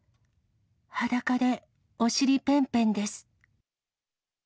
裸でお尻ぺんぺんです。